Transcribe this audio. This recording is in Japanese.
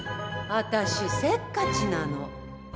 私せっかちなの。